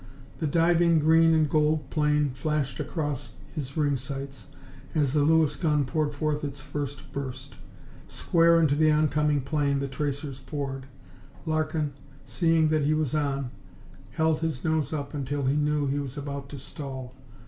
The diving green and gold plane flashed across his ring sights as the Lewis gun poured forth its first burst. Square into the oncoming plane the tracers poured. Larkin, seeing that he was on, held his nose up until he knew he was about to stall.